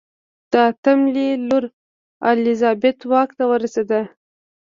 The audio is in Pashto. د اتم لي لور الیزابت واک ته ورسېده.